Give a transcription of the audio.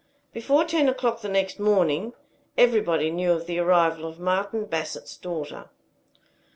Before ten o'clock the next morning, everybody knew of the arrival of Martin Bassett's daughter.